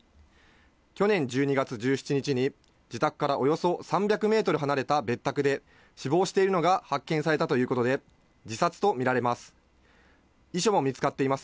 去年１２月１７日に自宅からおよそ３００メートル離れた別宅で死亡しているのが発見されたということで、自殺とみられます。